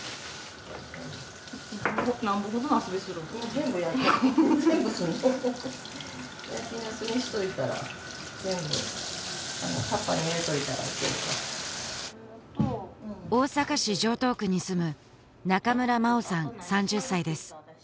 全部やる全部する焼きなすにしといたら全部タッパーに入れといたら大阪市城東区に住む中村茉緒さん３０歳です